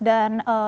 baik mas pras